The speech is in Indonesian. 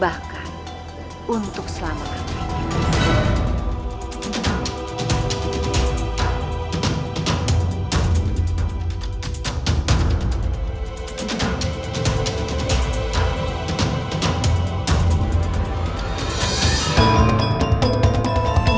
bahkan untuk selama kamu